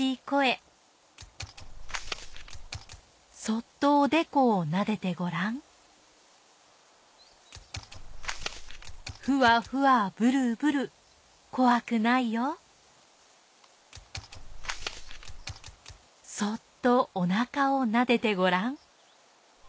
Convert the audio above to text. こえそっとおでこをなでてごらんふわふわぶるぶるこわくないよそっとおなかをなでてごらん。